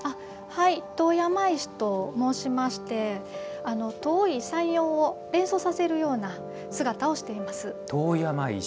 遠山石と申しまして遠い山容を連想させるような姿をしています。